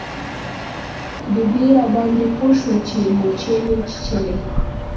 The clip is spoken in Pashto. ببۍ راباندې پوه شوه چې موچۍ مې چیچلی.